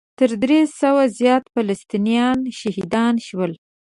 تر درې سوو زیات فلسطینیان شهیدان شول.